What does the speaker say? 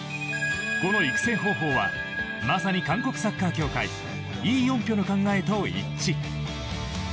この育成方法はまさに韓国サッカー協会イ・ヨンピョの考えと一致。